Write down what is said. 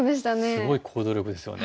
すごい行動力ですよね。